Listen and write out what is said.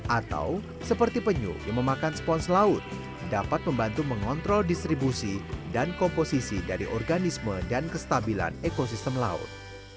atau seperti penyu yang memakan spons laut dapat membantu mengontrol distribusi dan komposisi dari organisme dan kestabilan ekosistem laut